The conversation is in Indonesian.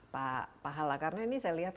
pak pahala karena ini saya lihat